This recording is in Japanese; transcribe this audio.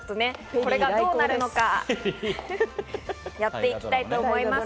これがどうなるのかやっていきたいと思います。